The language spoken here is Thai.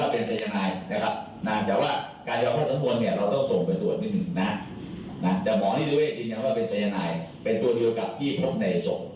เป็นตัวดัวกับพี่ผลในศพนะคะ